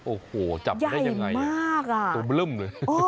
โอ้โหจับได้ยังไงตัวเริ่มเลยใหญ่มาก